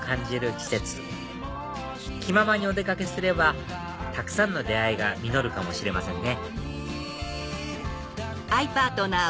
季節気ままにお出掛けすればたくさんの出会いが実るかもしれませんね